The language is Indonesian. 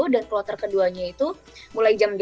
dan kloter keduanya itu mulai jam delapan pagi